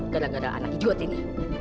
gara gara anak dibuat ini